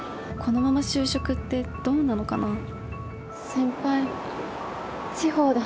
このまま就職ってどうなのかな？